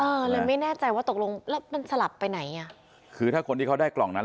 เออเลยไม่แน่ใจว่าตกลงแล้วมันสลับไปไหนอ่ะคือถ้าคนที่เขาได้กล่องนั้น